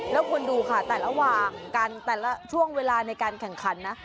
แล้วคุณดูค่ะแต่ระหว่างกันแต่ละช่วงเวลาในการแข่งขันนะ